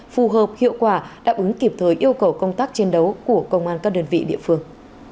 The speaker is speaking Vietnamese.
phù hợp hiệu quả đáp ứng kịp thời yêu cầu công tác chiến đấu của công an các đơn vị địa phương